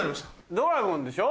ドラゴンでしょ？